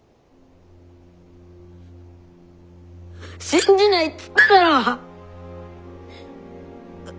信じないっつっただろう！